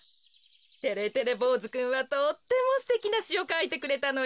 てれてれぼうずくんはとってもすてきなしをかいてくれたのよ。